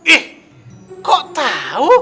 eh kok tau